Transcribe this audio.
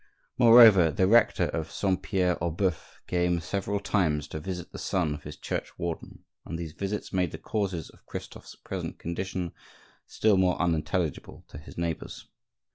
Moreover, the rector of Saint Pierre aux Boeufs came several times to visit the son of his church warden, and these visits made the causes of Christophe's present condition still more unintelligible to his neighbors.